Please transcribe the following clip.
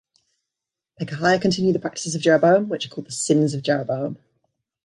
Pekahiah continued the practices of Jeroboam, which are called the sins of Jeroboam.